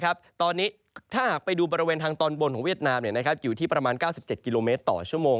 ตอนนี้ถ้าหากไปดูบริเวณทางตอนบนของเวียดนามอยู่ที่ประมาณ๙๗กิโลเมตรต่อชั่วโมง